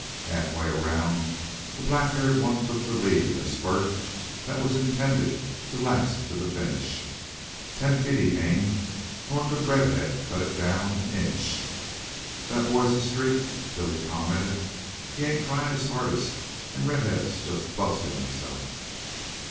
Halfway around, the black haired one took the lead in a spurt that was intended to last to the finish. Ten feet he gained, nor could Red head cut it down an inch. "The boy's a streak," Billy commented. "He ain't tryin' his hardest, an' Red head's just bustin' himself."